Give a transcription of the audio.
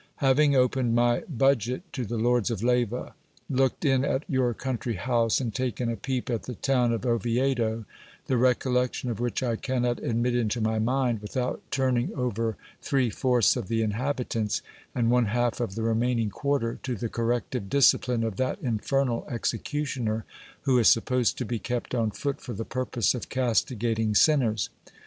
405 ing opened my budget to the lords of Leyva, looked in at your country house, and taken a peep at the town of Oviedo, the recollection of which I cannot ad mit into my mind, without turning over three fourths of the inhabitants, and one half of the remaining quarter, to the corrective discipline of that infernal executioner, who is supposed to be kept on foot for the purpose of castigating sinners.